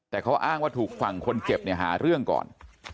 แต่เขาอ้างว่าถูกฝั่งคนเจ็บเนี่ยหาเรื่องก่อน